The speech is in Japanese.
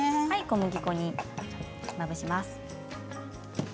小麦粉にまぶします。